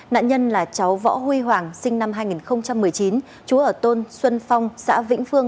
nạn nhân là cháu võ huy hoàng sinh năm hai nghìn một mươi chín chú ở thôn xuân phong xã vĩnh phương